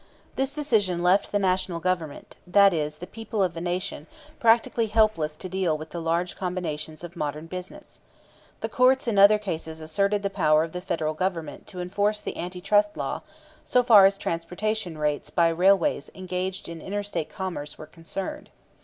This decision left the National Government, that is, the people of the Nation, practically helpless to deal with the large combinations of modern business. The courts in other cases asserted the power of the Federal Government to enforce the Anti Trust Law so far as transportation rates by railways engaged in interstate commerce were concerned.